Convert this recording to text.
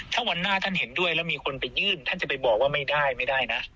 ถ้าวันหน้าท่านเห็นด้วยแล้วมีคนไปยื่นท่านจะไปบอกว่าไม่ได้ไม่ได้นะ